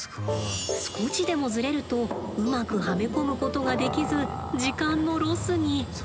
少しでもズレるとうまくはめ込むことができず時間のロスに。